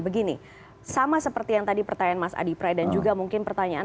begini sama seperti yang tadi pertanyaan mas adi pray dan juga mungkin pertanyaan